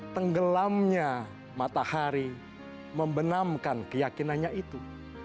tenggelamnya matahari membenamkan keyakinannya itu